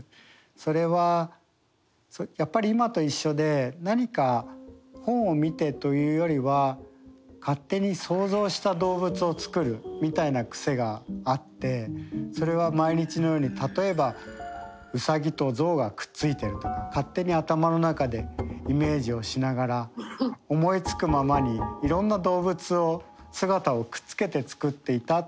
それはやっぱり今と一緒で何か本を見てというよりは勝手に想像した動物を作るみたいな癖があってそれは毎日のように例えばウサギと象がくっついているとか勝手に頭の中でイメージをしながら思いつくままにいろんな動物の姿をくっつけて作っていたということを覚えています。